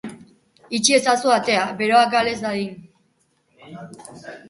Itxi ezazu atea, beroa gal ez dadin.